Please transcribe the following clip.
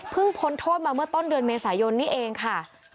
พ้นโทษมาเมื่อต้นเดือนเมษายนนี่เองค่ะ